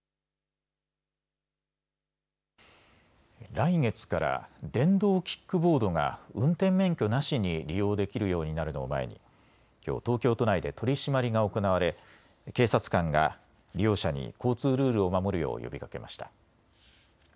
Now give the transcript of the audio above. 来月から電動キックボードが運転免許なしに利用できるようになるのを前にきょう東京都内で取締りが行われ警察官が利用者に交通ルールを守るよう呼びかけました。